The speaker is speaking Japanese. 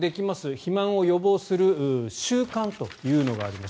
肥満を予防する習慣というのがあります。